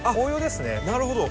なるほど。